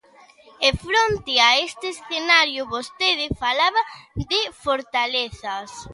E, fronte a este escenario, vostede falaba de fortalezas.